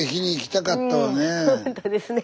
ほんとですね。